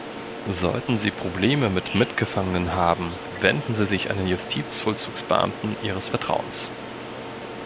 Sollten Sie Probleme mit Mitgefangenen haben, wenden Sie sich an den Justizvollzugsbeamten Ihres Vertrauens!